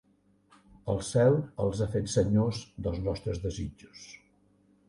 El cel els ha fet senyors dels nostres desitjos